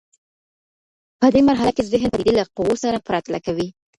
په دې مرحله کي ذهن پديدې له قوو سره پرتله کوي.